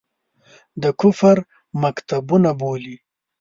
د کفر مکتبونه بولي.